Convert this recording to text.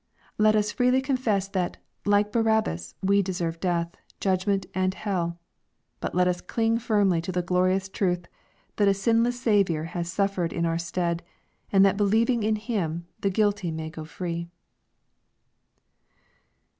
Let us freely confess that, like Barabbas, we deserve d6ath, judgment, and hell. But let us cling firmly to the glorious truth that a sinless Saviour has suffered in our stead, and that believing in Him the guilty may go free.